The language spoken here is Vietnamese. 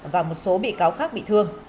và một số bị cáo khác bị thương